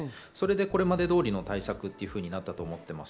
これまで通りの対策となったと思っています。